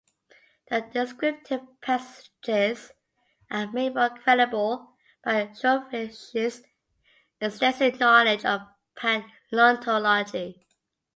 The descriptive passages are made more credible by Obruchev's extensive knowledge of paleontology.